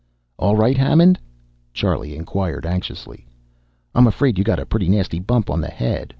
"All right, Hammond?" Charlie inquired anxiously. "I'm afraid you got a pretty nasty bump on the head.